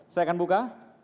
saya akan buka